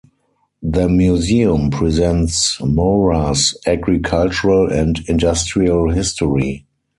The museum presents Moura's agricultural and industrial history.